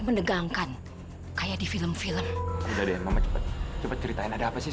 menegangkan kayak di film film udah deh cepet cepet ceritain ada apa sih